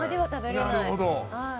なるほど。